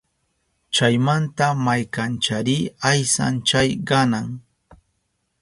Chaymanta maykanchari aysan chay qanan